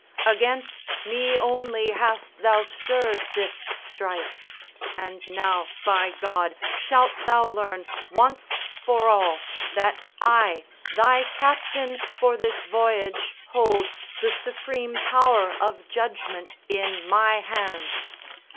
Against me only hast thou stirred this strife; And now, by God, shalt thou learn, once for all, That I, thy captain for this voyage, hold The supreme power of judgment in my hands.